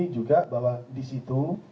juga bahwa di situ